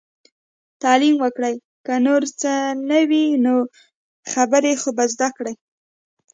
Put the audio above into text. تعليم وکړئ! که نور هيڅ نه وي نو، خبرې خو به زده کړي.